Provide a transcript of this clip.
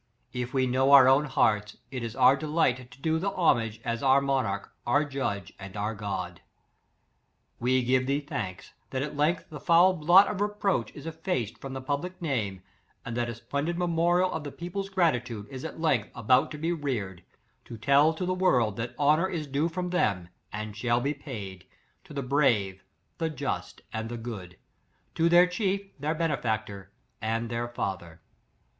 If we know our own hearts, it is our delight to do the ho mage as our monarch, our judge, and our God. We give thee thanks, that at length the foul blot of reproach is effaced from the public name, and that a splendid memorial of the people's gratitude is at length about ^1 to be reared, to tell to the world that honor is due from them, and shall be paid, to the brave, the just, and the good, to their chief, their benefactor and their father.